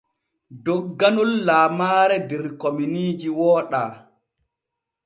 Dogganol lamaare der kominiiji wooɗa.